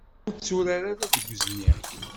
Ur tturar ara deg uzniq.